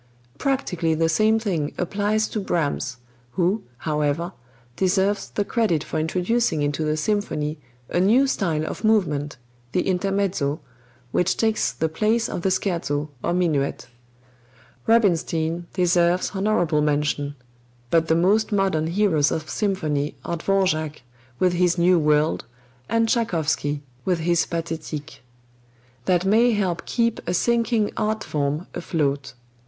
Practically the same thing applies to Brahms, who, however, deserves the credit for introducing into the symphony a new style of movement, the intermezzo, which takes the place of the scherzo or minuet. Rubinstein deserves "honorable mention"; but the most modern heroes of symphony are Dvorak, with his "New World," and Tschaikowsky, with his "Pathétique." Such works are life preservers that may help keep a sinking art form afloat.